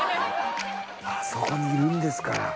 あそこにいるんですから。